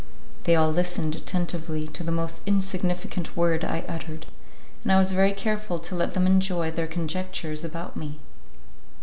They all listened attentively to the most insignificant word I uttered, and I was very careful to let them enjoy their conjectures about me.